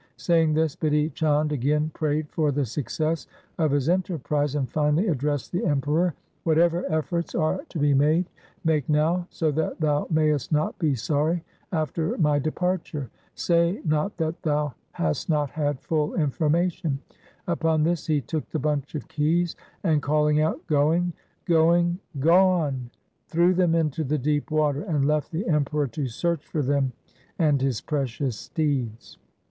Saying this, Bidhi Chand again prayed for the success of his enterprise, and finally addressedthe Emperor — 'Whatever efforts are to be made, make now, so that thou mayest not be sorry after my departure. Say not that thou hast not had full information.' Upon this he took the bunch of keys and calling out, 'Going, going, gone,' threw them into the deep water, and left the Emperor to search for them and his precious steeds.